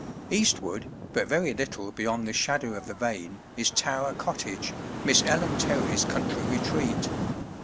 Eastward, but very little beyond the shadow of the vane, is Tower Cottage, Miss Ellen Terry's country retreat.